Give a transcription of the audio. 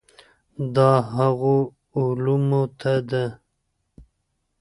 دا هغو علومو ته ده.